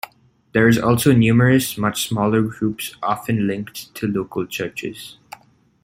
There is also numerous, much smaller groups often linked to local churches.